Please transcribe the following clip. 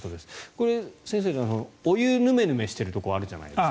これ、先生お湯がヌメヌメしているところがあるじゃないですか。